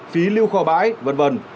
phí lưu kho bãi v v